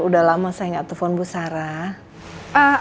udah lama saya gak telpon bu sarah